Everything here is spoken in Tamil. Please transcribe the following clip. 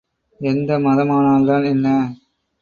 எந்த மதமானால்தான் என்ன?